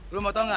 lu mau tau gak